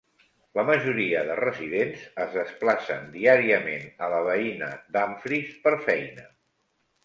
La majoria de residents es desplacen diàriament a la veïna Dumfries per feina.